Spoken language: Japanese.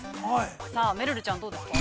さあ、めるるちゃん、どうですか。